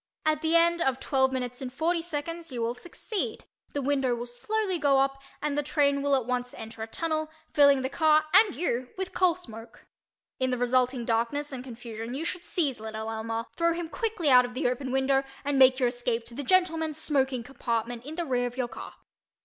At the end of twelve minutes and forty seconds you will succeed, the window will slowly go up, and the train will at once enter a tunnel, filling the car and you with coal smoke. In the resulting darkness and confusion you should seize little Elmer, throw him quickly out of the open window and make your escape to the gentlemen's smoking compartment in the rear of your car.